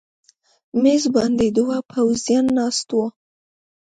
مېز باندې دوه پوځیان ناست و.